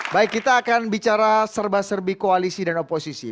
baik kita akan bicara serba serbi koalisi dan oposisi